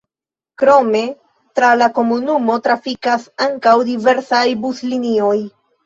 Krome tra la komunumo trafikas ankaŭ diversaj buslinioj.